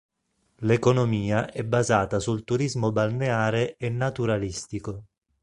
L'economia è basata sul turismo balneare e naturalistico.